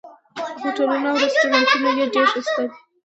هوټلونه او رسټورانټونه یې ډېر ښایسته دي.